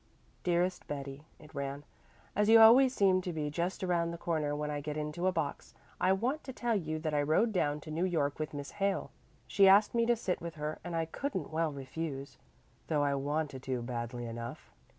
"DEAREST BETTY," it ran: "As you always seem to be just around the corner when I get into a box, I want to tell you that I rode down to New York with Miss Hale. She asked me to sit with her and I couldn't well refuse, though I wanted to badly enough.